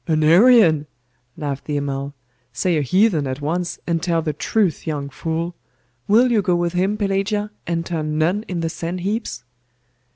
'An Arian?' laughed the Amal. 'Say a heathen at once, and tell the truth, young fool! Will you go with him, Pelagia, and turn nun in the sand heaps?